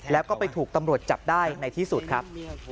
แล้วก็ไปถูกตำรวจจับได้ในที่สุดครับ